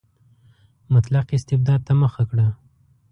مطلق استبداد ته مخه کړه.